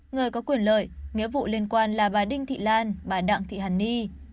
người có quyền lợi nghĩa vụ liên quan là bà đinh thị lan bà đặng thị hàn ni